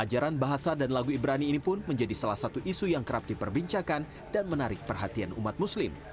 ajaran bahasa dan lagu ibrani ini pun menjadi salah satu isu yang kerap diperbincangkan dan menarik perhatian umat muslim